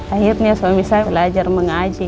akhirnya suami saya belajar mengaji